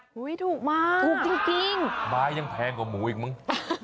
ถูกมากถูกจริงไม้ยังแพงกว่าหมูอีกมั้ง